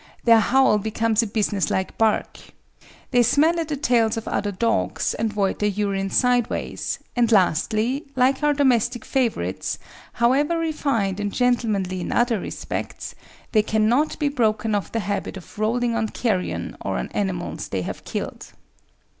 Their howl becomes a business like bark. They smell at the tails of other dogs and void their urine sideways, and lastly, like our domestic favourites, however refined and gentlemanly in other respects, they cannot be broken of the habit of rolling on carrion or on animals they have killed.